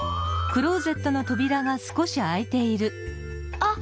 あっ！